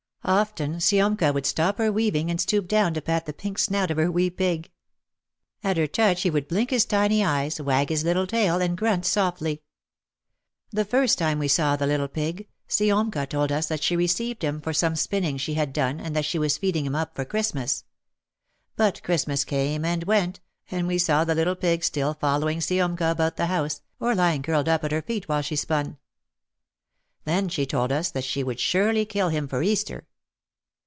Often Siomka would stop her weaving and stoop down to pat the pink snout of her wee pig. At her touch he would 28 OUT OF THE SHADOW blink his tiny eyes, wag his little tail, and grunt softly. The first time we saw the little pig, Siomka told us that she received him for some spinning she had done and that she was feeding him up for Christmas. But Christmas came and went and we saw the little pig still following Siomka about the house, or lying curled up at her feet while she spun. Then she told us that she would surely kill him for Easter.